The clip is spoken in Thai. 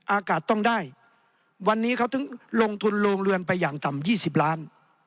อากาศต้องได้วันนี้เขาถึงลงทุนโรงเรือนไปอย่างต่ำ๒๐ล้าน